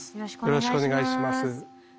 よろしくお願いします。